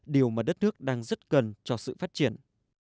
điều mà đất nước đang rất cần cho sự phát triển